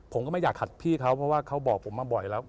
ผมก็ไม่อยากขัดพี่เขาเพราะว่าเขาบอกผมมาบ่อยแล้ว